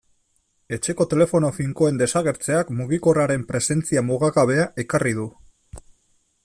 Etxeko telefono finkoen desagertzeak mugikorraren presentzia mugagabea ekarri du.